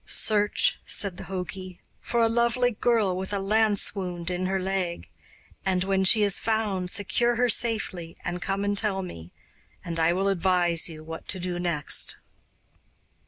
'Search,' said the jogi, 'for a lovely girl with a lance wound in her leg, and when she is found secure her safely and come and tell me, and I will advise you what to do next.